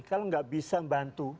kalau tidak bisa membantu